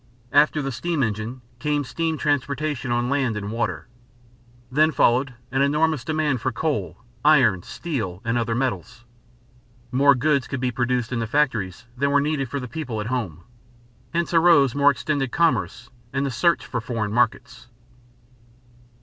After the steam engine came steam transportation on land and water. Then followed an enormous demand for coal, iron, steel, and other metals. More goods could be produced in the factories than were needed for the people at home. Hence arose more extended commerce and the search for foreign markets.